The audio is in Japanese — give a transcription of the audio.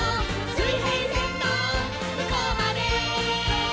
「水平線のむこうまで」